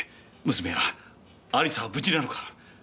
娘は亜里沙は無事なのか？